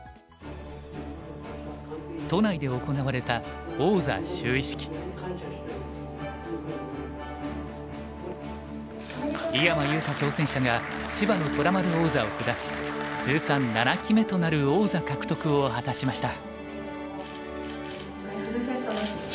都内で行われた井山裕太挑戦者が芝野虎丸王座を下し通算７期目となる王座獲得を果たしました。